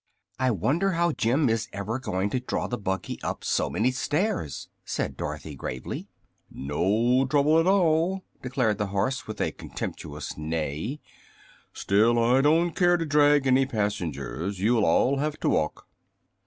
"I wonder how Jim is ever going to draw the buggy up so many stairs," said Dorothy, gravely. "No trouble at all," declared the horse, with a contemptuous neigh. "Still, I don't care to drag any passengers. You'll all have to walk."